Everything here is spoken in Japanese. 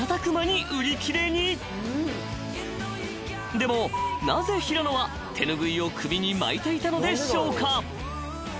［でもなぜ平野は手ぬぐいを首に巻いていたのでしょうか？］